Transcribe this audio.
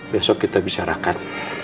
besok kita bisarakan